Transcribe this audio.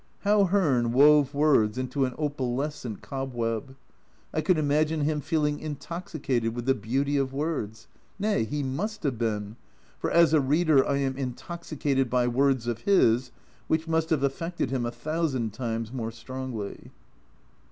How Hearn wove words into an opalescent cobweb ! I could imagine him feeling intoxicated with the beauty of words nay, he must have been, for as a reader I am intoxicated by words of his, which must have affected him a thousand times more strongly.